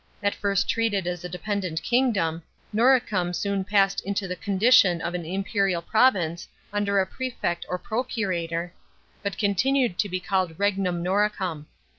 * At first treated as a dependent kingdom, Noricum soon passed into the condition of an imperial province under a pefect or procurator, but continued to be called regnum Noricum.